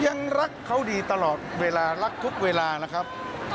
ยังรักเขาดีตลอดเวลารักทุกเวลานะครับ